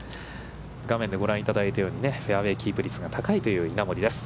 画面でご覧いただいたようにフェアウェイキープ率が高いという稲森です。